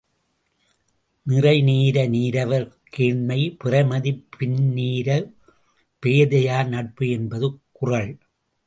நிறைநீர நீரவர் கேண்மை பிறைமதிப் பின்னீர பேதையார் நட்பு என்பது குறள்.